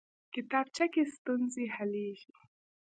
کتابچه کې ستونزې حلېږي